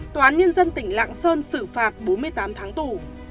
tòa án nhân dân tỉnh lạng sơn xử phạt bốn mươi tám tháng tù